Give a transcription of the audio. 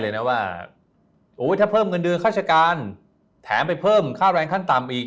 เลยนะว่าถ้าเพิ่มเงินเดือนข้าราชการแถมไปเพิ่มค่าแรงขั้นต่ำอีก